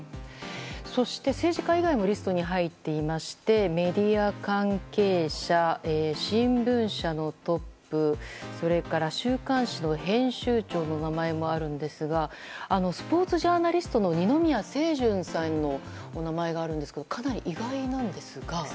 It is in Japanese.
そして、政治家以外もリストに入っていましてメディア関係者、新聞社のトップそれから、週刊誌の編集長の名前もあるんですがスポーツジャーナリストの二宮清純さんのお名前があるのがかなり意外なんですが。